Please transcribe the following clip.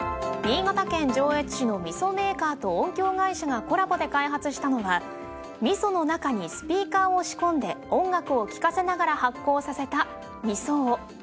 新潟県上越市のみそメーカーと音響会社がコラボで開発したのはみその中にスピーカーを仕込んで音楽を聴かせながら発酵させた味奏。